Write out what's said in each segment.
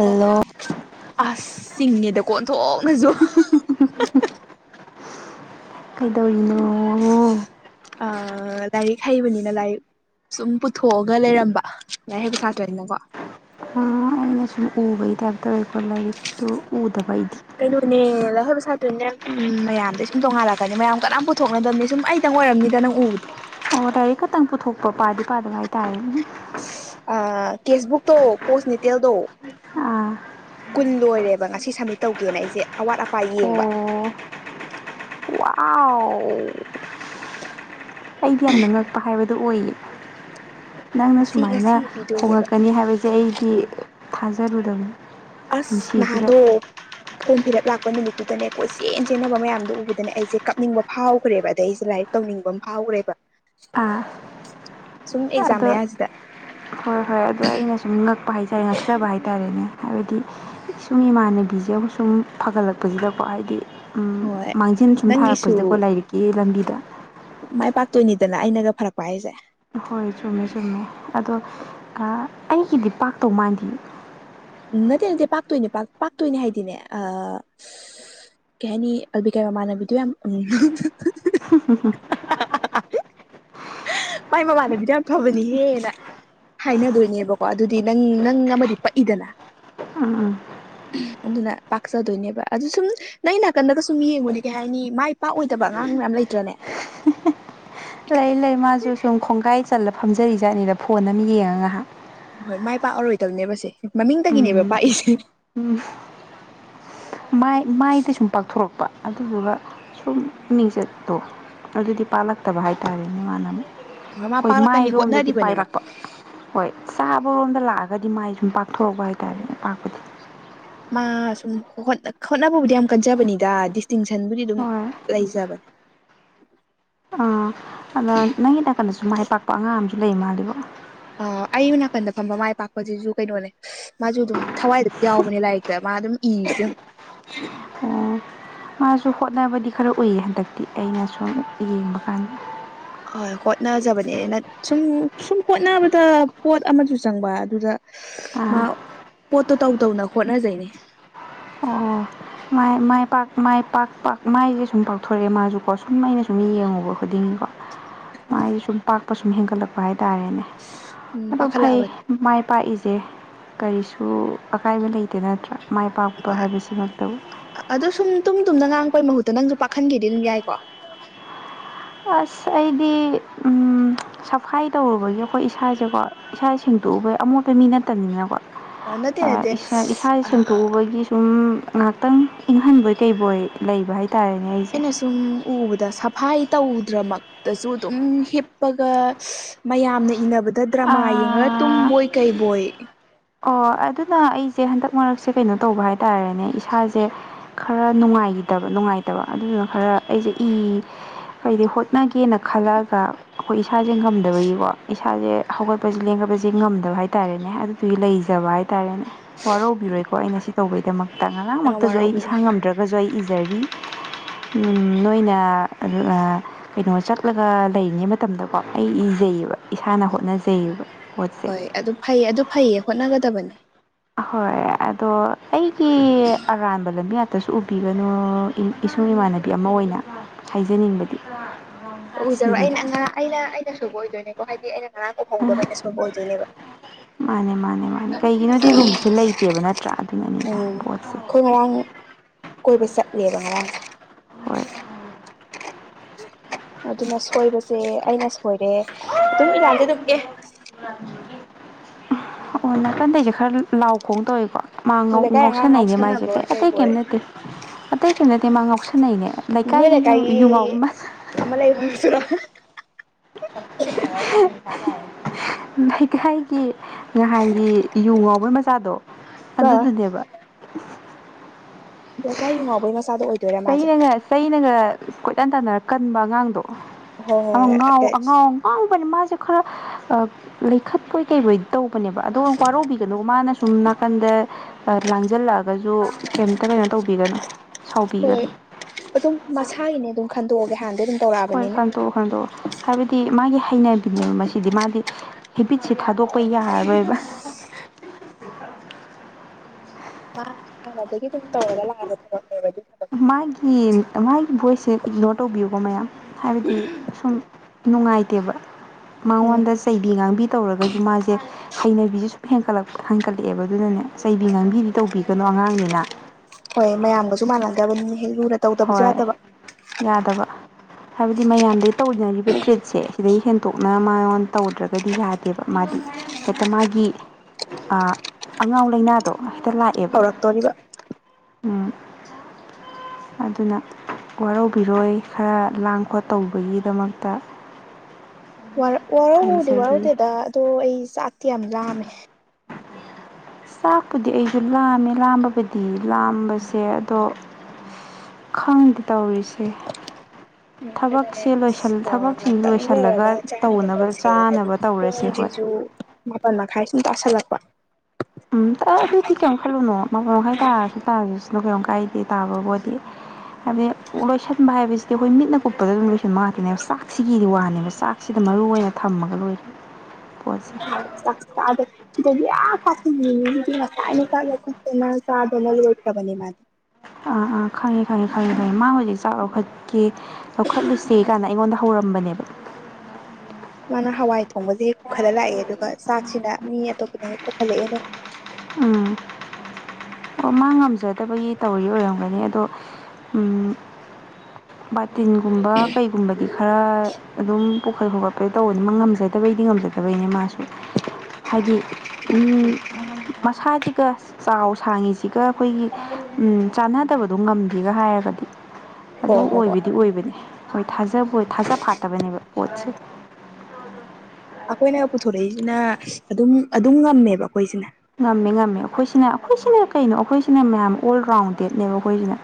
Hello ꯑꯁ ꯆꯤꯡꯉꯦꯗ ꯑꯣꯟꯊꯣꯛꯅꯁꯨ ꯀꯩꯗꯧꯔꯤꯅꯣ ꯑ ꯂꯥꯏꯔꯤꯛ ꯍꯩꯕꯅꯤꯅ ꯂꯥꯏꯔꯤꯛ ꯁꯨꯝ ꯄꯨꯊꯣꯛꯑꯒ ꯂꯩꯔꯝꯕ ꯂꯥꯏꯔꯤꯛ ꯍꯩꯕ ꯁꯥꯇ꯭ꯔꯅꯤꯅꯀꯣ ꯑꯥ ꯑꯩꯅ ꯁꯨꯝ ꯎꯕꯩ ꯇꯥꯏꯞꯇ ꯇꯧꯋꯦꯕꯀꯣ ꯂꯥꯏꯔꯤꯛꯇꯣ ꯎꯗꯕ ꯑꯩꯗꯤ ꯀꯩꯅꯣꯅꯦ ꯂꯥꯏꯔꯤꯛ ꯍꯩꯕ ꯁꯇ꯭ꯔꯥꯔꯤꯅꯤꯅꯦ ꯃꯌꯥꯝꯗꯩ ꯁꯨꯝ ꯇꯣꯡꯉꯥꯜꯂꯛꯀꯅꯤ ꯃꯌꯥꯝ ꯀꯅꯥꯝ ꯄꯨꯊꯣꯛꯅꯗꯕꯅꯤ ꯁꯨꯝ ꯑꯩ ꯈꯤꯇꯪ ꯑꯣꯏꯔꯝꯅꯤꯗ ꯅꯪ ꯎꯕꯗꯣ ꯑꯣ ꯂꯥꯏꯔꯤꯛ ꯈꯛꯇꯪ ꯄꯨꯊꯣꯛꯄ ꯄꯥꯗꯤ ꯄꯥꯗꯕ ꯍꯥꯏꯇꯥꯔꯦ ꯑ ꯀꯦꯁꯕꯨꯛꯇꯣ ꯄꯣꯁ ꯅꯤꯇꯦꯜꯗꯣ ꯑꯥ ꯀꯨꯟ ꯂꯣꯏꯔꯦꯕ ꯉꯁꯤ ꯁꯝꯃꯤꯠ ꯇꯧꯒꯦꯅ ꯑꯩꯁꯦ ꯑꯋꯥꯠ ꯑꯄꯥ ꯌꯦꯡꯕ ꯑꯣ ꯋꯥꯎ ꯑꯩꯗꯤ ꯌꯥꯝꯅ ꯉꯛꯄ ꯍꯥꯏꯕ ꯑꯗꯨ ꯑꯣꯏꯌꯦ ꯅꯪꯅ ꯉꯁꯤ ꯁꯨꯃꯥꯏꯅ ꯉꯁꯤ ꯄꯤꯗꯣꯏꯅꯦꯕ ꯍꯣꯉꯛꯀꯅꯤ ꯍꯥꯏꯕꯁꯦ ꯑꯩꯗꯤ ꯊꯖꯔꯨꯗꯕꯅꯦ ꯑꯁ ꯅꯥꯍꯗꯣ ꯐꯣꯝ ꯐꯤꯂꯞ ꯂꯥꯛꯄ ꯅꯨꯃꯤꯠꯇꯨꯗꯅꯦ ꯀꯣꯏ ꯆꯦꯟ ꯆꯦꯟꯅꯕ ꯃꯌꯥꯝꯗꯣ ꯎꯕꯗꯅꯦ ꯑꯩꯁꯦ ꯀꯞꯅꯤꯡꯕ ꯐꯥꯎꯈ꯭ꯔꯦꯕ ꯑꯗꯩ ꯑꯩꯁꯦ ꯂꯥꯏꯔꯤꯛ ꯇꯧꯅꯤꯡꯕ ꯑꯃ ꯐꯥꯎꯈ꯭ꯔꯦꯕ ꯑꯥ ꯁꯨꯝ ꯑꯦꯛꯖꯥꯝ ꯑꯗꯣ ꯃꯌꯥꯁꯤꯗ ꯈꯔ ꯈꯔ ꯑꯗꯣ ꯑꯩꯅ ꯁꯨꯝ ꯉꯛꯄ ꯍꯥꯏꯖꯔꯦ ꯉꯛꯆꯕ ꯍꯥꯏꯔꯦ ꯍꯥꯏꯇꯥꯔꯦꯅꯦ ꯍꯥꯏꯕꯗꯤ ꯢꯁꯨꯡ ꯏꯃꯥꯟꯅꯕꯤꯁꯦ ꯑꯃꯨꯛ ꯁꯨꯝ ꯐꯒꯠꯂꯛꯄꯁꯤꯗꯀꯣ ꯍꯥꯏꯗꯤ ꯍꯣꯏ ꯃꯥꯡꯖꯤꯟ ꯁꯨꯝ ꯅꯪꯒꯤꯁꯨ ꯊꯥꯔꯛꯄꯁꯤꯗꯀꯣ ꯂꯥꯏꯔꯤꯛꯀꯤ ꯂꯝꯕꯤꯗ ꯃꯥꯏ ꯄꯥꯛꯇꯣꯏꯅꯤꯗꯅ ꯑꯩꯅꯒ ꯐꯔꯛꯄ ꯍꯥꯏꯁꯦ ꯍꯣꯏ ꯆꯨꯝꯃꯦ ꯆꯨꯝꯃꯦ ꯑꯗꯣ ꯑꯩꯒꯤꯗꯤ ꯄꯥꯛꯇꯧ ꯃꯥꯟꯗꯤ ꯅꯠꯇꯦ ꯅꯠꯇꯦ ꯄꯥꯛꯇꯣꯏꯅꯦ ꯄꯥꯛ ꯄꯥꯛꯇꯣꯏꯅꯦ ꯍꯥꯏꯗꯤꯅꯦ ꯑ ꯀꯩꯍꯥꯢꯅꯤ ꯑꯜꯕꯤꯀꯥꯏ ꯃꯃꯥꯟꯅꯕꯤꯗꯨ ꯌꯥꯝ ꯎꯝ ꯍ ꯍ ꯍꯨꯝ ꯃꯥꯏ ꯃꯃꯥꯟꯅꯕꯤꯗꯣ ꯌꯥꯝ ꯐꯕꯅꯤꯍꯦꯅ ꯍꯥꯏꯅꯗꯣꯏꯅꯦꯕꯀꯣ ꯑꯗꯨꯗꯤ ꯅꯪ ꯅꯪ ꯑꯃꯗꯤ ꯄꯛꯏꯗꯅ ꯎꯝ ꯎꯝ ꯑꯗꯨꯅ ꯄꯥꯛꯆꯗꯣꯏꯅꯦꯕ ꯑꯗꯨ ꯁꯨꯝ ꯅꯪ ꯅꯥꯀꯟꯗꯒ ꯁꯨꯝ ꯌꯦꯡꯉꯨꯅꯤ ꯀꯩ ꯍꯥꯏꯅꯤ ꯃꯥꯏ ꯄꯥꯛꯑꯣꯏꯗꯕ ꯑꯉꯥꯡ ꯃꯌꯥꯝ ꯂꯩꯇ꯭ꯔꯅꯦ ꯂꯩ ꯂꯩ ꯃꯥꯁꯨ ꯁꯨꯝ ꯈꯣꯡꯒꯥꯏ ꯆꯜꯂ ꯐꯝꯖꯔꯤꯖꯥꯠꯅꯤꯗ ꯐꯣꯟ ꯑꯃ ꯌꯦꯡꯉꯒ ꯉꯥꯏꯍꯥꯛ ꯑꯍꯣꯏ ꯃꯥꯏ ꯄꯥꯛꯑꯔꯣꯏꯗꯕꯅꯦꯕꯁꯦ ꯃꯃꯤꯡꯇꯒꯤꯅꯦꯕ ꯎꯝ ꯄꯥꯛꯏꯁꯦ ꯎꯝ ꯃꯥꯏ ꯃꯥꯏꯗ ꯁꯨꯝ ꯄꯥꯛꯊꯣꯔꯛꯄ ꯑꯗꯨꯗꯨꯒ ꯁꯨꯝ ꯃꯤꯡꯆꯠꯇꯣ ꯑꯗꯨꯗꯤ ꯄꯥꯜꯂꯛꯇꯕ ꯍꯥꯏꯇꯥꯔꯦ ꯃꯥꯟꯅꯃꯨꯛ ꯃꯥ ꯍꯣꯏ ꯄꯥꯛꯂꯛꯀꯅꯤ ꯃꯥꯏꯔꯣꯝꯗꯗꯤ ꯍꯣꯠꯅꯔꯤꯕꯅꯦ ꯃꯥ ꯄꯥꯛꯂꯛꯄ ꯍꯣꯏ ꯆꯥꯕꯔꯣꯝꯗ ꯂꯥꯛꯑꯒꯗꯤ ꯃꯥꯏ ꯁꯨꯝ ꯄꯥꯛꯊꯣꯔꯛꯄ ꯍꯥꯏꯇꯥꯔꯦ ꯄꯥꯛꯄꯗꯤ ꯃꯥ ꯁꯨꯝ ꯍꯣꯠꯅꯕꯕꯨꯗꯤ ꯌꯥꯝ ꯀꯟꯖꯕꯅꯤꯗ ꯗꯤꯁꯇꯤꯡꯁꯟꯕꯨꯗꯤ ꯑꯗꯨꯝ ꯍꯣꯏ ꯂꯩꯖꯕꯅꯦ ꯑꯃ ꯅꯪꯒꯤ ꯅꯥꯀꯟꯗꯁꯨ ꯃꯥꯏ ꯄꯥꯛꯄ ꯑꯉꯥꯡ ꯑꯃꯁꯝꯨ ꯂꯩ ꯃꯥꯜꯂꯤꯕꯣ ꯑ ꯑꯩ ꯅꯥꯀꯟꯗ ꯐꯝꯕ ꯃꯥꯏ ꯄꯥꯛꯄꯁꯤꯁꯨ ꯀꯩꯅꯣꯅꯦ ꯃꯥꯁꯨ ꯑꯗꯨꯝ ꯊꯋꯥꯏꯗ ꯌꯥꯎꯕꯅꯦ ꯂꯥꯏꯔꯤꯛꯇ ꯃꯥ ꯑꯗꯨꯝ ꯏꯁꯦ ꯑꯣ ꯃꯥꯁꯨ ꯍꯣꯠꯅꯕꯗꯤ ꯈꯔ ꯎꯏꯌꯦ ꯍꯟꯗꯛꯇꯤ ꯑꯩꯅ ꯁ ꯑꯃꯨ ꯌꯦꯡꯕ ꯀꯥꯟꯗ ꯍꯣꯏ ꯍꯣꯠꯅꯖꯕꯅꯦꯅ ꯁꯨꯝ ꯁꯨꯝ ꯍꯣꯠꯅꯕꯗ ꯄꯣꯠ ꯑꯃꯁꯨ ꯆꯪꯕ ꯑꯗꯨꯗ ꯃꯥ ꯑꯥ ꯄꯣꯠꯇꯣ ꯇꯧ ꯇꯧꯅ ꯍꯣꯠꯅꯖꯩꯅꯦ ꯑꯣ ꯃ ꯃꯥꯏ ꯄꯥꯛ ꯃꯥꯏ ꯄꯥꯛ ꯄꯥꯛ ꯃꯥꯏꯁꯦ ꯁꯨꯝ ꯄꯥꯛꯊꯣꯔꯛꯑꯦ ꯃꯥꯁꯨꯀꯣ ꯁꯨꯝ ꯑꯩꯅ ꯁꯨꯝ ꯌꯦꯡꯉꯨꯕ ꯈꯨꯗꯤꯡꯒꯤꯀꯣ ꯃꯥꯏ ꯁꯨꯝ ꯄꯥꯛꯄ ꯁꯨꯝ ꯍꯦꯟꯒꯠꯂꯛꯄ ꯍꯥꯏꯇꯥꯔꯦꯅꯦ ꯎꯝ ꯑꯗꯣ ꯐꯩ ꯄꯥꯈꯠꯂꯛꯑꯕꯅꯤ ꯃꯥꯏ ꯄꯥꯛꯏꯁꯦ ꯀꯔꯤꯁꯨ ꯑꯀꯥꯏꯕ ꯂꯩꯇꯦ ꯅꯠꯇ꯭ꯔꯥ ꯃꯥꯏ ꯄꯥꯛꯄ ꯍꯥꯏꯕꯁꯤꯃꯠꯇꯕꯨ ꯑꯗꯣ ꯁꯨꯝ ꯇꯨꯝ ꯇꯨꯝꯅ ꯉꯥꯡꯉꯛꯄꯩ ꯃꯍꯨꯠꯇ ꯅꯪꯁꯨ ꯄꯥꯈꯟꯒꯦꯗꯤ ꯑꯗꯨꯝ ꯌꯥꯏꯀꯣ ꯑꯁ ꯑꯩꯗꯤ ꯎꯝ ꯁꯐꯥꯏ ꯇꯧꯔꯨꯕꯒꯤ ꯑꯩꯈꯣꯏ ꯏꯁꯥꯁꯦꯀꯣ ꯏꯁꯥꯁꯦ ꯁꯦꯡꯇꯣꯛꯎꯕꯩ ꯑꯃꯣꯠꯄ ꯃꯤ ꯅꯠꯇꯕꯅꯤꯅꯀꯣ ꯑꯣ ꯅꯠꯇꯦ ꯅꯠꯇꯦ ꯏꯁꯥ ꯢꯁꯥꯖꯦ ꯑꯩꯅ ꯁꯦꯡꯇꯣꯛꯎꯕꯒꯤ ꯁꯝ ꯉꯥꯏꯍꯥꯛꯇꯪ ꯏꯪꯍꯟꯕꯣꯏ ꯀꯩꯕꯣꯏ ꯂꯩꯕ ꯍꯥꯏꯇꯥꯔꯦꯅꯦ ꯑꯩꯁꯦ ꯁꯨꯝ ꯎꯕꯗ ꯁꯐꯥꯏ ꯇꯧꯗ꯭ꯔꯃꯛ ꯇꯁꯨ ꯑꯗꯨꯝ ꯍꯤꯞꯄꯒ ꯃꯌꯥꯝꯅ ꯏꯟꯅꯕꯗ ꯗ꯭ꯔꯃꯥ ꯌꯦꯡꯉꯒ ꯑꯥ ꯇꯨꯝꯕꯣꯏ ꯀꯩꯕꯣꯏ ꯑꯣ ꯑꯗꯨꯅ ꯑꯩꯁꯦ ꯍꯟꯗꯛ ꯃꯔꯛꯁꯦ ꯀꯩꯅꯣ ꯇꯧꯕ ꯍꯥꯏꯇꯥꯔꯦꯅꯦ ꯏꯁꯥꯁꯦ ꯈꯔ ꯅꯨꯡꯉꯥꯏꯈꯤꯗꯕ ꯅꯨꯡꯉꯥꯏꯇꯕ ꯑꯗꯨꯅ ꯈꯔ ꯑꯩꯁꯦ ꯏ ꯍꯥꯏꯗꯤ ꯍꯣ ꯆꯠꯅꯒꯦꯅ ꯈꯜꯂꯛꯑꯒ ꯑꯩꯈꯣꯏ ꯏꯁꯥꯁꯦ ꯉꯝꯗꯕꯒꯤꯀꯣ ꯏꯁꯥꯁꯦ ꯍꯧꯒꯠꯄꯁꯦ ꯂꯦꯡꯒꯠꯄꯁꯦ ꯉꯝꯗꯕ ꯍꯥꯏꯇꯥꯔꯦꯅꯦ ꯑꯗꯨꯗꯨꯒꯤ ꯂꯩ ꯖꯕ ꯍꯥꯏꯇꯥꯔꯦꯅꯦ ꯋꯥꯔꯧꯕꯤꯔꯣꯏꯀꯣ ꯑꯩ ꯉꯁꯤ ꯇꯧꯕꯩꯗꯃꯛꯇ ꯉꯔꯥꯡꯃꯛꯇꯁꯨ ꯑꯩ ꯋꯥꯔꯥꯎꯕꯤꯔꯣꯏ ꯏꯁꯥ ꯉꯝꯗ꯭ꯔ ꯁꯨ ꯑꯩ ꯏꯖꯔꯤ ꯅꯣꯏꯅ ꯑꯗꯨꯒ ꯀꯩꯅꯣ ꯆꯠꯂꯒ ꯂꯩꯔꯤꯉꯩ ꯃꯇꯝꯗꯀꯣ ꯑꯩ ꯏꯖꯩꯌꯦꯕ ꯏꯁꯥꯅ ꯍꯣꯠꯅꯖꯩꯌꯦꯕ ꯄꯣꯠꯁꯦ ꯍꯣꯏ ꯑꯗꯨ ꯐꯩꯌꯦ ꯑꯗꯨ ꯐꯩꯌꯦ ꯍꯣꯠꯅꯒꯗꯕꯅꯤ ꯑꯍꯣꯏ ꯑꯗꯣ ꯑꯩꯒꯤ ꯑꯔꯥꯟꯕ ꯂꯝꯕꯦꯜ ꯀꯩꯁꯨ ꯎꯕꯤꯒꯅꯨ ꯏꯁꯨꯡ ꯏꯃꯥꯟꯅꯕꯤ ꯑꯃ ꯑꯣꯏꯅ ꯍꯥꯏꯖꯅꯤꯡꯕꯗꯤ ꯑꯣ ꯎꯖꯔꯣ ꯑꯩꯅ ꯁꯤꯅꯤꯗ ꯑꯥꯡ ꯑꯩꯅ ꯑꯩꯅ ꯁꯣꯏꯕ ꯑꯣꯏꯗꯣꯏꯅꯦꯀꯣ ꯍꯥꯏꯗꯤ ꯑꯩꯅ ꯉꯔꯥꯡ ꯎꯍꯧꯗꯕ ꯑꯩꯅ ꯁꯣꯏꯕ ꯑꯣꯏꯗꯣꯏꯅꯦꯕ ꯃꯥꯅꯦ ꯃꯥꯅꯦ ꯃꯥꯅꯦ ꯀꯩꯒꯤꯅꯣꯗꯤ ꯔꯨꯝꯁꯦ ꯂꯩꯇꯦꯕ ꯅꯠꯇ꯭ꯔꯥ ꯑꯗꯨꯅꯅꯤꯅ ꯎꯝ ꯄꯣꯠꯁꯦ ꯑꯩꯈꯣꯏ ꯉꯔꯥꯡ ꯀꯣꯏꯕ ꯆꯠꯂꯦꯕ ꯉꯔꯥꯡ ꯍꯣꯏ ꯑꯗꯨꯅ ꯁꯣꯏꯕꯁꯦ ꯑꯩꯅ ꯁꯣꯏꯔꯦ ꯑꯗꯨꯝ ꯏꯔꯥꯟꯁꯦ ꯑꯗꯨꯝ ꯑꯦ ꯅꯀꯟꯗꯩꯁꯦ ꯈꯔ ꯂꯥꯎ ꯈꯣꯡ ꯇꯧꯋꯦꯀꯣ ꯃꯥ ꯅꯣꯏ ꯂꯩꯀꯥꯏ ꯑꯉꯥꯡ ꯉꯥꯎꯁꯟꯅꯩꯅꯦ ꯃꯥꯏꯁꯦ ꯀꯩ ꯉꯥꯎꯁꯟꯅꯕꯣꯏ ꯑꯇꯩ ꯀꯩꯕꯣꯏ ꯀꯩꯝ ꯅꯠꯇꯦ ꯑꯇꯩꯒꯤ ꯅꯠꯇꯦ ꯃꯥ ꯉꯥꯎꯁꯟꯅꯩꯅꯦ ꯂꯩꯀꯥꯏꯒꯤ ꯌꯨ ꯌꯨꯉꯎꯕ ꯑꯃꯥ ꯂꯩꯕꯗꯨꯁꯨ [inaudible] ꯂꯩꯀꯥꯏꯒꯤ ꯅꯍꯥꯟꯒꯤ ꯌꯨ ꯉꯥꯎꯕꯩ ꯃꯆꯥꯗꯣ ꯑꯗꯨꯗꯨꯅꯦꯕ ꯂꯩꯀꯥꯏ ꯌꯨ ꯉꯎꯕꯩ ꯃꯆꯥꯗꯣ ꯑꯣꯏ ꯆꯩꯅꯒ ꯆꯩꯅꯒ ꯀꯣꯏꯇꯥꯟ ꯇꯥꯟꯅꯔ ꯀꯟꯕ ꯑꯉꯥꯡꯗꯣ ꯍꯣꯏ ꯍꯣꯏ ꯉꯥꯎ ꯍꯣꯏ ꯑꯉꯥꯎ ꯉꯥꯎꯕꯅꯤ ꯃꯥꯁꯦ ꯈꯔ ꯂꯩꯈꯠꯄꯣꯏ ꯀꯩꯕꯣꯏꯗꯤ ꯇꯧꯕꯅꯦꯕ ꯑꯗꯣ ꯋꯥꯔꯧꯕꯤꯒꯅꯨ ꯃꯥꯅ ꯁꯨꯝ ꯅꯥꯀꯟꯗ ꯂꯥꯡꯁꯤꯜꯂꯛꯑꯒꯁꯨ ꯀꯩꯌꯦꯝꯇ ꯀꯩꯅꯣ ꯇꯧꯕꯤꯒꯅꯨ ꯍꯣꯏ ꯁꯥꯎꯕꯤꯒꯅꯨ ꯑꯗꯨꯝ ꯃꯁꯥꯒꯤꯅꯦ ꯑꯗꯨꯝ ꯈꯟꯗꯣꯛꯑꯒꯦ ꯍꯥꯟꯗꯩꯩ ꯑꯗꯨꯝ ꯍꯣꯏ ꯇꯧꯔꯛꯑꯕꯅꯤꯅ ꯈꯟꯇꯣꯛꯑꯣ ꯈꯟꯇꯣꯛꯑꯣ ꯍꯥꯏꯕꯗꯤ ꯃꯥꯒꯤ ꯍꯩꯅꯕꯤꯅꯦꯕ ꯃꯁꯤꯗꯤ ꯃꯥꯒꯤ ꯍꯦꯕꯤꯠꯁꯦ ꯊꯥꯗꯣꯛꯄ ꯌꯥꯔꯔꯣꯏꯕ ꯃꯥ ꯍꯥꯟꯅꯗꯒꯤ ꯑꯗꯨꯝ ꯇꯧꯔꯒ ꯂꯥꯛꯑꯕ ꯊꯕꯛꯅꯦꯕ ꯑꯗꯨ ꯊꯕꯛꯇꯨ ꯃꯥꯒꯤ ꯃꯥꯒꯤ ꯚꯣꯏꯁꯁꯦ ꯏꯛꯅꯣꯔ ꯇꯧꯕꯤꯌꯨꯕ ꯃꯌꯥꯝ ꯍꯥꯏꯕꯗꯤ ꯁꯨꯝ ꯅꯨꯡꯉꯥꯏꯇꯦꯕ ꯎꯝ ꯃꯉꯣꯟꯗ ꯆꯩꯕꯤ ꯉꯥꯡꯕꯤ ꯇꯧꯔꯒꯁꯨ ꯃꯥꯁꯦ ꯍꯩꯅꯕꯤꯁꯦ ꯁꯨꯝ ꯍꯦꯟꯀꯠꯂꯛꯄ ꯍꯦꯟꯀꯠꯂꯛꯑꯦꯕ ꯑꯗꯨꯅꯅꯦ ꯆꯩꯕꯤ ꯉꯥꯡꯕꯤꯗꯤ ꯇꯧꯕꯤꯒꯅꯣ ꯑꯉꯥꯡꯅꯤꯅ ꯍꯣꯏ ꯃꯌꯥꯝꯒꯁꯨ ꯃꯥꯟꯅꯗꯕꯅꯤ ꯍꯦꯛ ꯂꯨꯅ ꯇꯧꯗꯕꯁꯨ ꯍꯣꯏ ꯌꯥꯗꯕ ꯌꯥꯗꯕ ꯍꯥꯏꯕꯗꯤ ꯃꯌꯥꯝꯗꯒꯤ ꯇꯧꯅꯔꯤꯕ ꯇ꯭ꯔꯤꯠꯁꯦ ꯁꯤꯗꯩ ꯍꯦꯟꯇꯣꯛꯅ ꯃꯥꯉꯣꯟ ꯇꯧꯗ꯭ꯔꯒꯗꯤ ꯌꯥꯗꯦꯕ ꯃꯥꯗꯤ ꯍꯦꯛꯇ ꯃꯥꯒꯤ ꯑ ꯑꯉꯥꯎ ꯂꯩꯅꯥ ꯗꯣ ꯍꯦꯛꯇ ꯂꯥꯛꯑꯦꯕ ꯍꯧꯔꯛꯇꯣꯔꯤꯕ ꯎꯝ ꯑꯗꯨꯅ ꯋꯥꯔꯧꯕꯤꯔꯣꯏ ꯈꯔ ꯂꯥꯡ ꯈꯣꯠ ꯇꯧꯕꯒꯤꯗꯃꯛꯇ [unintelligible] [inaudible] ꯋꯥꯔꯧꯕꯥꯕꯨꯗꯤ ꯍꯥꯏꯖꯔꯤ ꯋꯥꯔꯧꯗꯦꯗ ꯑꯗꯣ ꯑꯩ ꯆꯥꯛꯇꯤ ꯌꯥꯝ ꯂꯥꯝꯃꯦ ꯆꯥꯛꯄꯨꯗꯤ ꯑꯩꯁꯨ ꯂꯥꯝꯃꯦ ꯂꯥꯝꯕꯕꯨꯗꯤ ꯂꯥꯝꯕꯁꯦ ꯑꯗꯣ ꯈꯪꯗꯦ ꯇꯧꯔꯤꯁꯦ ꯎꯝ ꯀꯩꯅꯣꯅꯦ ꯊꯕꯛꯁꯦ ꯂꯣꯏꯁꯜ ꯑ ꯊꯕꯛꯁꯤꯡ ꯉꯥꯛꯇꯪ ꯂꯩꯔꯒ ꯂꯣꯏꯁꯤꯜꯂꯒ ꯆꯥꯅꯕ ꯇꯧꯅꯕ ꯇꯧꯁꯦ ꯍꯥꯏꯗꯤ ꯆꯥꯅꯕ ꯇꯧꯔꯁꯦ ꯍꯣꯏ ꯄꯨꯡꯁꯤꯁꯨꯨ ꯃꯥꯄꯜ ꯃꯈꯥꯏ ꯁꯨꯝ ꯇꯁꯜꯂꯛꯄ ꯎꯝ ꯑꯗꯨꯏꯗꯤ ꯀꯩꯝ ꯈꯜꯂꯨꯅꯣ ꯃꯄꯥꯟ ꯃꯈꯥꯏ ꯇꯥꯔꯗꯤ ꯇꯥꯔꯤꯁꯤꯅꯣ ꯀꯔꯤꯝ ꯀꯥꯏꯗꯦ ꯇꯥꯕꯕꯨꯗꯤ ꯍꯥꯏꯗꯤ ꯂꯣꯏꯁꯟꯕ ꯍꯥꯏꯕꯁꯤ ꯑꯩꯈꯣꯏ ꯃꯤꯠꯅ ꯀꯨꯞꯄꯗ ꯑꯗꯨꯝ ꯂꯣꯏꯁꯤꯟꯕ ꯉꯥꯛꯇꯦꯅꯦꯕ ꯆꯥꯛꯁꯤꯒꯤ ꯋꯥꯅꯦꯕ ꯆꯥꯛꯁꯤꯗ ꯃꯔꯨ ꯑꯣꯏꯅ ꯊꯝꯃꯒ ꯂꯣꯏꯔꯦ ꯄꯣꯠꯁꯦ ꯆꯗ ꯆꯗ ꯌꯥ ꯀꯇ [inaudible] ꯥꯏꯅ ꯆꯥꯂ ꯈ ꯐꯦꯃꯁꯜꯒꯣꯁꯕꯅꯤ ꯃꯥ [inaudible] ꯑꯥ ꯑꯥ ꯈꯪꯉꯦ ꯈꯪꯉꯦ ꯈꯪꯉꯦ ꯈꯪꯉꯦ ꯃꯥ ꯍꯧꯖꯤꯛ ꯆꯥꯛ ꯂꯧꯈꯠꯀꯦ ꯆꯥꯎꯈꯠꯂꯨꯁꯦ ꯀꯥꯢꯅ ꯑꯩꯉꯣꯟꯗ ꯍꯧꯔꯝꯕꯅꯦꯕ ꯃꯥꯅ ꯍꯋꯥꯏ ꯊꯣꯡꯕꯁꯦ ꯍꯦꯛ ꯄꯨꯈꯠꯂ ꯂꯥꯛꯑꯦ ꯑꯗꯨꯒ ꯆꯥꯛꯁꯤꯅ ꯃꯤ ꯑꯇꯣꯞꯄꯅ ꯍꯦꯛ ꯄꯨꯈꯠꯂꯛꯑꯦꯅꯦ ꯎꯝ ꯑꯣ ꯃꯥ ꯉꯝꯖꯗꯕꯒꯤ ꯇꯧꯔꯤ ꯑꯣꯏꯔꯝꯒꯅꯤ ꯑꯗꯣ [inaudible] ꯕꯥꯇꯤꯟꯒꯨꯝꯕ ꯀꯩꯒꯨꯝꯕꯗꯤ ꯈꯔ ꯑꯗꯨꯝ ꯄꯨꯈꯠ ꯈꯣꯠꯈꯠꯄꯗꯤ ꯇꯧꯕꯅꯤ ꯃꯥ ꯉꯝꯖꯗꯕꯩꯗꯤ ꯉꯝꯖꯗꯕꯩꯅꯦ ꯃꯥꯁꯨ ꯍꯥꯏꯗꯤ ꯎꯝ ꯑ ꯃꯁꯥꯁꯤꯒ ꯆꯥꯎ ꯁꯥꯡꯉꯤꯁꯤꯒ ꯑꯩꯈꯣꯏꯒꯤ ꯎꯝ ꯆꯥꯟꯅꯗꯕꯗꯣ ꯉꯝꯗꯦꯒ ꯍꯥꯏꯔꯒꯗꯤ ꯍꯣ ꯑꯗꯨ ꯍꯣ ꯍꯣꯏ ꯑꯣꯏꯕꯗꯤ ꯑꯣꯏꯕꯅꯤ ꯍꯣꯏ ꯊꯥꯖꯕ ꯊꯥꯖ ꯐꯥꯠꯇꯕꯅꯦꯕ ꯄꯣꯠꯁꯦ ꯑꯩꯈꯣꯏꯅ ꯄꯨꯊꯣꯔꯛꯏꯁꯤꯅ ꯑꯗꯨꯝ ꯑꯗꯨꯝ ꯉꯝꯃꯦꯕ ꯑꯩꯈꯣꯏꯁꯤꯅ ꯉꯝꯃꯦ ꯉꯝꯃꯦ ꯑꯩꯈꯣꯏꯁꯤꯅ ꯑꯩꯈꯣꯏꯁꯤꯅ ꯀꯩꯅꯣ ꯑꯩꯈꯣꯏꯁꯤꯅ ꯃꯌꯥꯝ ꯑꯣꯜ ꯔꯥꯎꯟꯗꯦꯗꯅꯦꯕ ꯑꯩꯈꯣꯏꯁꯤꯅ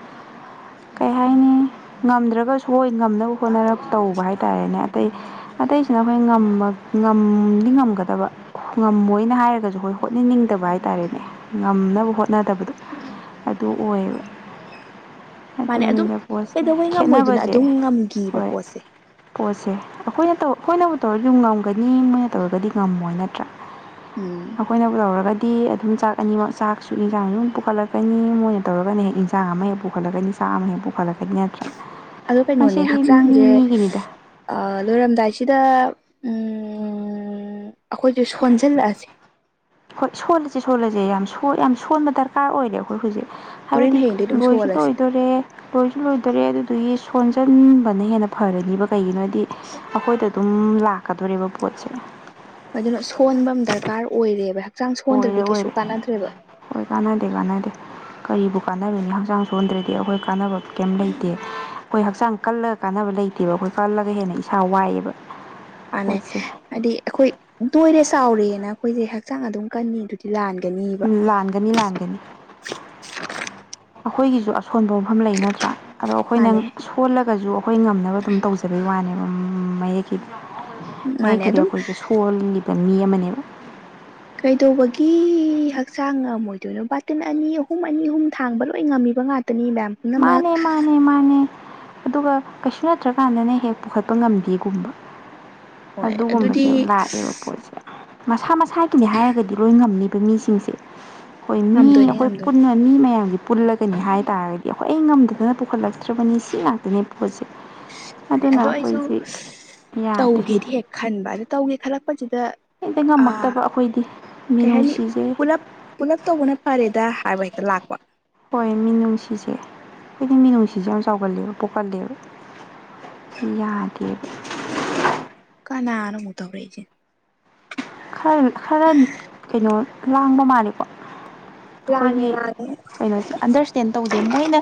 ꯀꯩ ꯍꯥꯏꯅꯤ ꯉꯝꯗ꯭ꯔꯒꯁꯨ ꯍꯣꯏ ꯉꯝꯅꯕ ꯈꯣꯠꯅꯔꯥꯞ ꯇꯧꯕ ꯍꯥꯏꯇꯥꯥꯔꯦꯅꯦ ꯑꯇꯩ ꯑꯇꯩꯁꯤꯅ ꯑꯩꯈꯣꯏ ꯉꯝꯗꯤ ꯉꯝꯒꯗꯕ ꯉꯝꯃꯣꯏꯅ ꯍꯥꯏꯔꯒꯁꯨ ꯑꯩꯈꯣꯏ ꯍꯣꯠꯅꯅꯤꯡꯗꯕ ꯍꯥꯏꯇꯥꯔꯦꯅꯦ ꯉꯝꯅꯕ ꯍꯣꯠꯅꯗꯕꯗꯣ ꯑꯗꯨ ꯑꯣꯏꯌꯦꯕ ꯃꯥꯅꯦ ꯑꯗꯨꯝ ꯑꯗꯨꯅꯤꯅꯦ ꯄꯣꯠꯁꯦ ꯀꯩꯗꯧꯕꯩ ꯉꯝꯃꯣꯏꯗꯨꯅ ꯈꯦꯠꯅꯕꯁꯦ ꯑꯗꯨꯝ ꯉꯝꯈꯤꯕ ꯍꯣꯏ ꯄꯣꯠꯁꯦ ꯄꯣꯠꯁꯦ ꯑꯩꯈꯣꯏꯅ ꯑꯩꯈꯣꯏꯅꯕꯨ ꯇꯧꯔꯗꯤ ꯑꯗꯨꯝ ꯉꯝꯒꯅꯤ ꯃꯣꯏꯅ ꯇꯧꯔꯒꯗꯤ ꯉꯝꯃꯣꯏ ꯅꯠꯇ꯭ꯔꯥ ꯎꯝ ꯑꯩꯈꯣꯏꯅꯕꯨ ꯇꯧꯔꯒꯗꯤ ꯑꯗꯨꯝ ꯆꯥꯛ ꯑꯅꯤꯃꯛ ꯆꯥꯛꯁꯨ ꯌꯦꯟꯁꯥꯡ ꯑꯗꯨꯝ ꯄꯨꯈꯠꯂꯛꯀꯅꯤ ꯃꯣꯏꯅ ꯇꯧꯔꯒꯅ ꯍꯦꯛ ꯌꯦꯟ ꯌꯦꯟꯁꯥꯡ ꯑꯃ ꯍꯦꯛ ꯄꯨꯈꯠꯂꯛꯀꯅꯤ ꯆꯥ ꯑꯃ ꯍꯦꯛ ꯄꯨꯈꯠꯂꯛꯀꯅꯤ ꯅꯠꯇ꯭ꯔꯥ ꯑꯗꯣ ꯀꯩꯅꯣꯅꯦ ꯉꯁꯤꯗꯤ ꯍꯛꯆꯥꯡꯁꯦ ꯃꯤ ꯃꯤꯒꯤꯅꯤꯗ ꯂꯣꯏꯔꯝꯗꯥꯏꯁꯤꯗ ꯑꯩꯈꯣꯏꯁꯨ ꯁꯣꯟꯖꯤꯜꯂꯛꯑꯁꯦ ꯍꯣꯏ ꯁꯣꯜꯂꯁꯦ ꯁꯣꯜꯂꯁꯦ ꯌꯥꯝ ꯌꯥꯝ ꯁꯣꯟꯕ ꯗꯔꯀꯥꯔ ꯑꯣꯏꯔꯦ ꯑꯩꯈꯣꯏ ꯍꯧꯖꯤꯛ ꯍꯣꯔꯦꯟ ꯍꯥꯏꯕꯗꯤ ꯍꯌꯦꯡꯗꯤ ꯑꯗꯨꯝ ꯂꯣꯏꯁꯨ ꯁꯣꯜꯂꯁꯦ ꯂꯣꯏꯗꯣꯔꯦ ꯂꯣꯏꯁꯨ ꯂꯣꯏꯗꯔꯦ ꯑꯗꯨꯗꯨꯒꯤ ꯁꯣꯟꯖꯤꯟꯕꯅ ꯍꯦꯟꯅ ꯐꯔꯅꯤꯕ ꯀꯩꯒꯤꯅꯣ ꯍꯥꯏꯗꯤ ꯑꯩꯈꯣꯏꯗ ꯑꯗꯨꯝ ꯎꯝ ꯂꯥꯛꯀꯥꯗꯧꯔꯦꯕ ꯄꯣꯠꯁꯦ ꯑꯗꯨꯅ ꯁꯣꯟꯕ ꯑꯃ ꯗꯔꯀꯥꯔ ꯑꯣꯏꯔꯦꯕ ꯍꯛꯆꯥꯡ ꯑꯣꯏꯔꯦ ꯁꯣꯟꯗ꯭ꯔꯗꯤ ꯀꯩꯁꯨ ꯑꯣꯏꯔꯦ ꯀꯥꯟꯅꯗ꯭ꯔꯦꯕ ꯍꯣꯏ ꯀꯥꯟꯅꯗꯦ ꯀꯥꯟꯅꯗꯦ ꯀꯔꯤꯕꯨ ꯀꯥꯟꯅꯔꯨꯅꯤ ꯍꯛꯆꯥꯡ ꯁꯣꯟꯗ꯭ꯔꯥꯗꯤ ꯑꯩꯈꯣꯏ ꯀꯥꯟꯅꯕ ꯀꯩꯝ ꯂꯩꯇꯦ ꯑꯩꯈꯣꯏ ꯍꯛꯆꯥꯡ ꯀꯜꯂꯒ ꯀꯥꯟꯅꯕ ꯂꯩꯇꯦꯕ ꯑꯩꯈꯣꯏ ꯀꯜꯂꯒ ꯍꯦꯟꯅ ꯏꯁꯥ ꯋꯥꯏꯑꯦꯕ ꯃꯥꯅꯦ ꯄꯣꯠꯁꯦ ꯍꯥꯏꯗꯤ ꯑꯩꯈꯣꯏ ꯅꯣꯏꯔꯦ ꯆꯥꯎꯔꯦꯅ ꯑꯩꯈꯣꯏꯁꯦ ꯍꯛꯆꯥꯡ ꯑꯗꯨꯝ ꯀꯥꯟꯅꯤ ꯂꯥꯟꯒꯅꯤ ꯎꯝ ꯂꯥꯟꯒꯅꯤ ꯂꯥꯟꯒꯅꯤ ꯑꯩꯈꯣꯏꯒꯤꯁꯨ ꯑꯁꯣꯟꯕ ꯃꯐꯝ ꯂꯩ ꯅꯠꯇ꯭ꯔꯥ ꯑꯗꯣ ꯑꯩꯈꯣꯏꯅ ꯃꯥꯅꯦ ꯁꯣꯜꯂꯒꯁꯨ ꯑꯩꯈꯣꯏ ꯉꯝꯅꯕ ꯑꯗꯨꯝ ꯇꯧꯖꯕꯩ ꯋꯥꯅꯦꯕ ꯃꯌꯦꯛ ꯃꯥꯅꯦ ꯃꯌꯦꯛꯀꯤꯗꯤ ꯑꯗꯨꯝ ꯑꯩꯈꯣꯏꯁꯦ ꯁꯣꯜꯂꯤꯕ ꯃꯤ ꯑꯃꯅꯦꯕ ꯀꯩꯗꯧꯕꯒꯤ ꯍꯛꯆꯥꯡ ꯉꯥꯝꯃꯣꯢꯗꯣꯏꯅꯣ ꯕꯥꯇꯤꯜ ꯑꯅꯤ ꯑꯍꯨꯝ ꯑꯅꯤ ꯑꯍꯨꯝ ꯊꯥꯡꯕ ꯂꯣꯏ ꯉꯝꯃꯤꯕ ꯉꯥꯛꯇ ꯉꯥꯛꯇꯅꯤ ꯄꯨꯝꯅꯃꯛ ꯃꯥꯅꯦ ꯃꯥꯅꯦ ꯃꯥꯅꯦ ꯑꯗꯨꯒ ꯀꯩꯁꯨ ꯅꯠꯇ꯭ꯔꯀꯥꯟꯗꯅ ꯍꯦꯛ ꯄꯨꯈꯠꯄ ꯉꯝꯗꯦꯒꯨꯝꯕ ꯍꯣꯏ ꯑꯗꯨꯒꯨꯝꯕꯁꯦ ꯑꯗꯨꯗꯤ ꯂꯥꯛꯑꯦꯕ ꯄꯣꯠꯁꯦ ꯃꯁꯥ ꯃꯁꯥꯒꯤꯅꯤ ꯍꯥꯏꯔꯒꯗꯤ ꯂꯣꯏ ꯉꯝꯅꯤꯕ ꯃꯤꯁꯤꯡꯁꯦ ꯍꯣꯏ ꯃꯤ ꯉꯝꯗꯣꯏꯅꯦ ꯑꯩꯈꯣꯏ ꯉꯝꯗꯣꯏꯅꯦ ꯄꯨꯟꯅ ꯃꯤ ꯃꯌꯥꯝꯒꯤ ꯄꯨꯜꯂꯒꯅꯤ ꯍꯥꯏꯇꯥꯥꯔꯒꯗꯤ ꯑꯩ ꯉꯝꯗꯗꯅ ꯄꯨꯈꯠꯂꯛꯇ꯭ꯔꯕꯅꯤ ꯁꯤ ꯉꯥꯛꯇꯅꯦ ꯄꯣꯠꯁꯦ ꯃꯥꯅꯦ ꯑꯗꯨꯅ ꯑꯗꯣ ꯑꯩꯁꯨ ꯑꯩꯈꯣꯏꯁꯤ ꯌꯥꯗꯦ ꯇꯧꯒꯦꯗꯤ ꯍꯦꯛ ꯈꯟꯕ ꯑꯗ ꯇꯧꯒꯦ ꯈꯜꯂꯛꯄꯁꯤꯗ ꯍꯦꯛꯇ ꯉꯝꯃꯛꯇꯕ ꯑꯩꯈꯣꯏꯗꯤ ꯀꯩ ꯍꯥꯏꯅꯤ ꯃꯤꯅꯨꯡꯁꯤꯁꯦ ꯄꯨꯂꯞ ꯄꯨꯂꯞ ꯇꯧꯕꯅ ꯐꯔꯦꯗ ꯍꯥꯏꯕ ꯍꯦꯛꯇ ꯂꯥꯛꯄ ꯍꯣꯏ ꯃꯤꯅꯨꯡꯁꯤꯁꯦ ꯑꯩꯗꯤ ꯃꯤꯅꯨꯡꯁꯤꯁꯦ ꯌꯥꯝ ꯆꯥꯎꯒꯜꯂꯦꯕ ꯄꯣꯛꯀꯜꯂꯦꯕ ꯌꯥꯗꯦꯕ ꯀꯅꯥꯅꯣ ꯑꯃꯨꯛ ꯇꯧꯔꯛꯏꯖꯤꯅ ꯈꯔꯜ ꯈꯔꯟ ꯀꯩꯅꯣ ꯂꯥꯡꯕ ꯃꯥꯜꯂꯦꯀꯣ ꯂꯥꯡꯉꯦ ꯑꯩꯈꯣꯏꯒꯤ ꯂꯥꯡꯉꯦ ꯀꯩꯅꯣꯁꯦ ꯑꯟꯗꯔꯁ ꯇꯦꯟ ꯇꯧꯗꯦ ꯃꯣꯏꯅ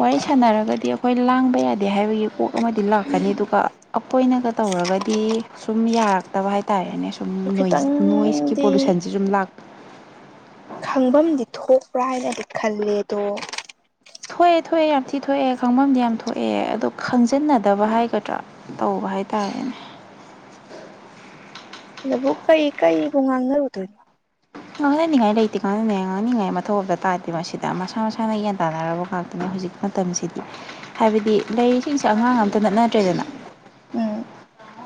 ꯋꯥꯔꯤ ꯁꯥꯟꯅꯔꯒꯗꯤ ꯑꯩꯈꯣꯏ ꯂꯥꯡꯕ ꯌꯥꯗꯦ ꯍꯥꯏꯕꯒꯤ ꯄꯣꯛ ꯑꯃꯗꯤ ꯂꯥꯛꯀꯅꯤ ꯑꯗꯨꯒ ꯑꯈꯣꯏꯅꯒ ꯇꯧꯔꯒꯗꯤ ꯁꯨꯝ ꯌꯥꯔꯛꯇꯕ ꯍꯥꯏꯇꯥꯔꯦꯅꯦ ꯑꯗꯨ ꯈꯤꯇꯪꯗꯤ ꯁꯤ ꯁꯨꯝ ꯂꯥꯛꯄ ꯈꯪꯐꯝꯗꯤ ꯊꯣꯛꯄ꯭ꯔꯥ ꯍꯥꯏꯅꯗꯤ ꯈꯜꯂꯦꯗꯣ ꯊꯣꯛꯑꯦ ꯊꯣꯛꯑꯦ ꯌꯥꯝ ꯊꯤ ꯊꯣꯛꯑꯦ ꯈꯪꯐꯝꯗꯤ ꯌꯥꯝ ꯊꯣꯛꯑꯦ ꯑꯗꯣ ꯈꯪꯖꯤꯟꯅꯗꯕ ꯍꯥꯏꯒꯗ꯭ꯔꯥ ꯇꯧꯕ ꯍꯥꯏꯇꯥꯔꯦꯅꯦ ꯑꯗꯨꯕꯨ ꯀꯩ ꯀꯩꯕꯨ ꯉꯥꯡꯅꯔꯨꯗꯣꯏꯅꯣ ꯉꯥꯡꯅꯅꯤꯡꯉꯥꯏ ꯂꯩꯇꯦ ꯀꯥꯟꯅ ꯉꯥꯡꯅꯤꯡꯉꯥꯏ ꯃꯊꯧ ꯑꯃꯝ ꯇꯥꯗꯦ ꯃꯁꯤꯗ ꯃꯁꯥ ꯃꯁꯥꯅ ꯒꯌꯥꯟ ꯇꯥꯅꯔꯕ ꯉꯥꯛꯇꯅꯦ ꯍꯧꯖꯤꯛꯇꯤ ꯃꯇꯝꯁꯤꯗꯤ ꯍꯥꯏꯕꯗꯤ ꯂꯩꯔꯤꯁꯤꯡꯁꯦ ꯑꯉꯥꯡ ꯑꯃꯇ ꯅꯠꯅꯗ꯭ꯔꯦꯗꯅ ꯎꯝ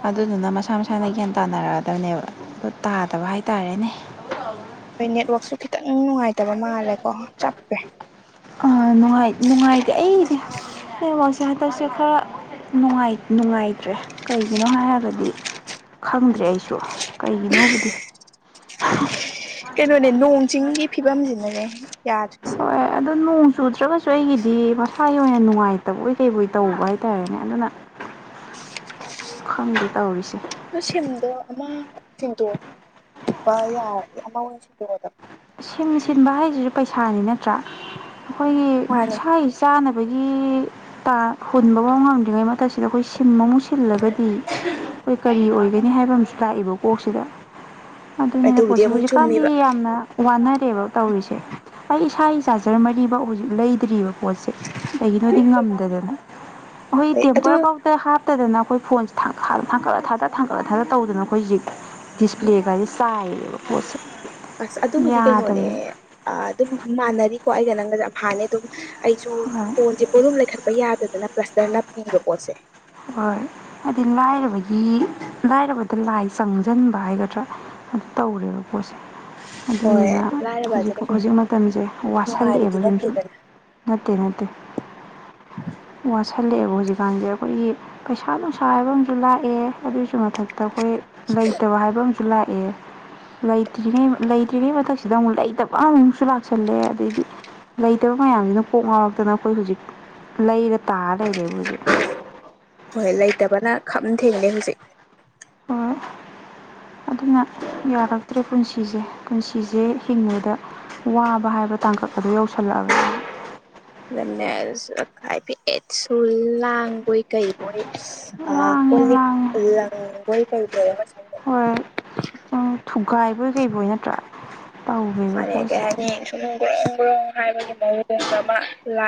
ꯑꯗꯨꯗꯨꯅ ꯃꯁꯥ ꯃꯁꯥꯅ ꯒ꯭ꯌꯥꯟ ꯇꯥꯟꯅꯔꯛꯑꯗꯕꯅꯦꯕ ꯑꯗꯨ ꯇꯥꯗꯕ ꯍꯥꯏꯇꯥꯔꯦꯅꯦ ꯍꯣꯏ ꯅꯦꯠꯋꯥꯛꯁꯨ ꯈꯤꯇꯪ ꯅꯨꯡꯉꯥꯏꯇꯕ ꯃꯥꯜꯂꯦꯀꯣ ꯆꯞꯄꯦ ꯑ ꯅꯨꯉꯥꯏ ꯅꯨꯡꯉꯥꯏꯇꯦ ꯑꯩꯗꯤ ꯅꯦꯠꯋꯥꯛꯁꯦ ꯍꯟꯇꯛꯁꯦ ꯈꯔ ꯅꯨꯡꯉꯥꯏ ꯅꯨꯡꯉꯥꯏꯇ꯭ꯔꯦ ꯀꯩꯒꯤꯅꯣ ꯍꯥꯏꯔꯒꯗꯤ ꯈꯪꯗ꯭ꯔꯦ ꯑꯩꯁꯨ ꯀꯩꯒꯤꯅꯣꯕꯨꯗꯤ ꯀꯩꯅꯣꯅꯦ ꯅꯣꯡ ꯆꯤꯡꯒꯤ ꯐꯤꯕꯝꯁꯤꯅꯅꯦ ꯌꯥꯗ꯭ꯔꯤꯁꯦ ꯍꯣꯏ ꯑꯗꯨ ꯅꯣꯡ ꯆꯨꯗ꯭ꯔꯒꯁꯨ ꯑꯩꯒꯤꯗꯤ ꯃꯁꯥꯒꯤ ꯑꯣꯏꯅ ꯅꯨꯡꯉꯥꯏꯇꯕꯣꯏ ꯀꯩꯕꯣꯏ ꯇꯧꯕ ꯍꯥꯏꯇꯥꯔꯦꯅꯦ ꯑꯗꯨꯅ ꯈꯪꯗ ꯇꯧꯔꯤꯁꯦ ꯑꯗꯣ ꯁꯤꯝꯗꯣ ꯑꯃ ꯁꯤꯟꯗꯣꯛꯄ ꯌꯥꯔꯗꯤ ꯑꯃ ꯑꯣꯏꯅ ꯁꯤꯟꯗꯣꯛꯑꯣꯗꯅ ꯁꯤꯝ ꯁꯤꯟꯕ ꯍꯥꯏꯁꯤꯁꯨ ꯄꯩꯁꯥꯅꯤ ꯅꯠꯇ꯭ꯔꯥ ꯑꯩꯈꯣꯏꯒꯤ ꯃꯥꯅꯦ ꯏꯁꯥꯒꯤ ꯇꯥꯅꯕꯒꯤ ꯥ ꯇꯥ ꯍꯨꯟꯕꯕꯧ ꯉꯝꯗ꯭ꯔꯤꯉꯩ ꯃꯊꯛꯁꯤꯗ ꯑꯩꯈꯣꯏ ꯁꯤꯝ ꯑꯃꯨꯛ ꯁꯤꯜꯂꯒꯗꯤ ꯑꯩꯈꯣꯏ ꯀꯔꯤ ꯑꯣꯏꯒꯅꯤ ꯍꯥꯏꯕ ꯑꯃꯁꯨ ꯂꯥꯛꯏꯕ ꯀꯣꯛꯁꯤꯗ ꯑꯗꯨꯅꯤꯗ ꯑꯗꯨꯕꯨꯗꯤ ꯄꯣꯠꯁꯦ ꯑꯃꯨꯛ ꯍꯧꯖꯤꯛꯀꯥꯟꯗꯤ ꯆꯨꯝꯃꯤꯕ ꯌꯥꯝꯅ ꯋꯥꯅꯔꯦꯕ ꯇꯧꯔꯤꯁꯦ ꯑꯩ ꯏꯁꯥꯒꯤ ꯆꯥꯔꯖ꯭ꯔ ꯃꯔꯤꯕꯧ ꯍꯧꯖꯤꯛ ꯂꯩꯗ꯭ꯔꯤꯕ ꯄꯣꯠꯁꯦ ꯀꯩꯒꯤꯅꯣꯗꯤ ꯉꯝꯗꯗꯅ ꯑꯩꯈꯣꯏ ꯑꯩ ꯑꯗꯣ ꯇꯦꯝꯄꯔ ꯕꯧꯗ ꯍꯥꯞ ꯐꯠꯇꯗꯅ ꯑꯩꯈꯣꯏ ꯐꯣꯟꯁꯦ ꯊꯥꯡ ꯊꯥꯡꯀꯠꯂ ꯊꯥꯗ ꯊꯥꯡꯀꯠꯂ ꯊꯥꯗ ꯇꯧꯗꯅ ꯑꯩꯈꯣꯏ ꯍꯧꯖꯤꯛ ꯗꯤꯁꯄ꯭ꯂꯦꯒꯖꯦ ꯆꯥꯏꯔꯦꯕ ꯞꯣꯠꯁꯦ ꯑꯁ ꯑꯗꯨꯕꯨꯗꯤ ꯀꯩꯅꯣꯅꯦ ꯑ ꯑꯗꯨꯝ ꯃꯥꯟꯅꯔꯤꯀꯣ ꯑꯩꯒ ꯅꯪꯒꯖꯦ ꯑꯝꯍꯥꯅꯦ ꯑꯗꯨꯝ ꯑꯩꯁꯨ ꯐꯣꯟꯁꯦ ꯄꯣꯂꯨꯝ ꯂꯩꯈꯠꯄ ꯌꯥꯗꯗꯅ ꯄ꯭ꯂꯁꯇ꯭ꯔ ꯅꯞꯄꯤꯕ ꯄꯣꯠꯁꯦ ꯍꯣꯏ ꯍꯥꯏꯗꯤ ꯂꯥꯏꯔꯕꯒꯤ ꯂꯥꯏꯔꯕꯗ ꯂꯥꯏ ꯆꯪꯖꯟꯕ ꯍꯥꯏꯒꯗ꯭ꯔꯥ ꯑꯗꯨ ꯇꯧꯔꯦꯕ ꯄꯣꯠꯁꯦ ꯍꯣꯏ ꯑꯗꯨꯅꯤꯗ ꯂꯥꯏꯔꯕꯁꯦ ꯍꯧꯖꯤꯛ ꯀꯩꯁꯨ ꯍꯧꯖꯤꯛ ꯃꯇꯝꯖꯦ ꯅꯨꯡꯉꯥꯏꯕꯗꯤ ꯋꯥꯁꯜꯂꯛꯑꯦꯕ ꯁꯨꯝꯁꯨꯝ ꯅꯠꯇꯦꯗꯅ ꯅꯠꯇꯦ ꯅꯠꯇꯦ ꯋꯥꯁꯜꯂꯛꯑꯦꯕ ꯍꯧꯖꯤꯛꯀꯥꯟꯁꯦ ꯑꯩꯈꯣꯏꯒꯤ ꯄꯩꯁꯥ ꯅꯨꯡꯁꯥ ꯍꯥꯏꯕ ꯑꯃꯁꯨ ꯂꯥꯛꯑꯦ ꯑꯗꯨꯒꯤꯁꯨ ꯃꯊꯛ ꯑꯗ ꯑꯩꯈꯣꯏ ꯂꯩꯇꯕ ꯍꯥꯏꯕ ꯑꯃꯁꯨ ꯂꯥꯛꯑꯦ ꯂꯩꯇ꯭ꯔꯤꯉꯩ ꯂꯩꯇ꯭ꯔꯤꯉꯩ ꯃꯊꯛꯁꯤꯗ ꯑꯃꯨꯛ ꯂꯩꯇꯕꯥ ꯑꯃꯨꯛꯁꯨ ꯂꯥꯛꯁꯜꯂꯦ ꯑꯗꯩꯗꯤ ꯂꯩꯇꯕ ꯃꯌꯥꯝꯁꯤꯅ ꯀꯣꯛ ꯉꯥꯎꯔꯛꯇꯅ ꯑꯩꯈꯣꯏ ꯍꯧꯖꯤꯛ ꯂꯩꯔ ꯇꯥꯔ ꯂꯩꯔꯦꯕ ꯍꯧꯖꯤꯛ ꯍꯣꯏ ꯂꯩꯇꯕꯅ ꯈꯝ ꯊꯦꯡꯂꯦ ꯍꯧꯖꯤꯛ ꯍꯣꯏ ꯑꯗꯨꯅ ꯌꯥꯔꯛꯇ꯭ꯔꯦ ꯄꯨꯟꯁꯤꯖꯦ ꯄꯨꯟꯁꯤꯖꯦ ꯍꯤꯡꯕꯗ ꯋꯥꯕ ꯍꯥꯏꯕ ꯇꯥꯡꯀꯛ ꯑꯗꯨ ꯌꯧꯁꯜꯂꯛꯑꯕꯅꯤ [unintelligible] ꯂꯥꯡꯕꯣꯏ ꯀꯩ ꯃꯣꯏ ꯑ ꯂꯥꯡꯉꯦ ꯀꯣꯜꯂꯤꯛ ꯂꯥꯡꯉꯦ ꯂꯪꯕꯣꯏ ꯀꯩꯕꯣꯏ꯫ ꯍꯣꯏ ꯊꯨꯒꯥꯏꯕꯣꯏ ꯀꯕꯣꯏ ꯅꯠꯇ꯭ꯔꯥ ꯇꯧꯔꯤꯕ ꯑꯩ ꯀꯩ ꯄꯣꯠꯁꯦ ꯍꯥꯏꯅꯤ ꯁꯨꯝ ꯒꯔꯣꯡ ꯒ꯭ꯔꯣꯡ ꯍꯥꯏꯕꯒꯤ ꯃꯑꯣꯡꯁ ꯑꯃ ꯂꯥꯥꯡ